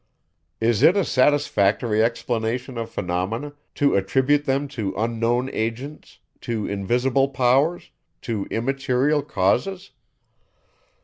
Is it a satisfactory explanation of phenomena, to attribute them to unknown agents, to invisible powers, to immaterial causes?